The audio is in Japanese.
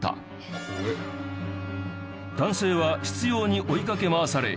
男性は執拗に追いかけ回され。